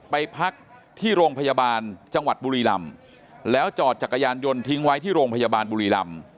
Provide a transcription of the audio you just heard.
ไปพักที่โรงพยาบาลจังหวัดบุรีลำแล้วจอดจักรยานยนต์ทิ้งไว้ที่โรงพยาบาลบุรีรำ